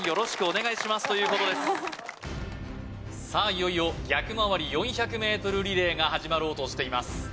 いよいよ逆回り４００ｍリレーが始まろうとしています